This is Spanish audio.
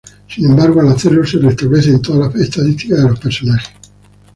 Sin embargo, al hacerlo se restablecen todas las estadísticas de los personajes.